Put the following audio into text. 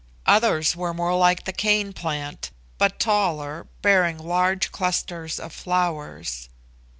Others were more like the cane plant, but taller, bearing large clusters of flowers.